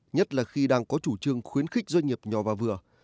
nhất là khi đang có chủ trương khuyến khích doanh nghiệp nhỏ và vừa